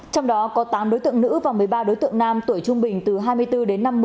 trong đó có tám đối tượng nữ và một mươi ba đối tượng nam tuổi trung bình từ hai mươi bốn đến năm mươi